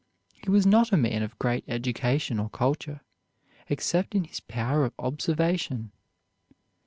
He was not a man of great education or culture, except in his power of observation.